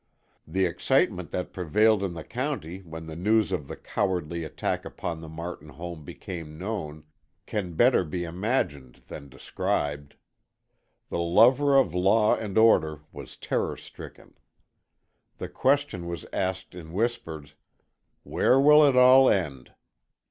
The excitement that prevailed in the county when the news of the cowardly attack upon the Martin home became known, can better be imagined than described. The lover of law and order was terror stricken. The question was asked in whispers "Where will it all end?"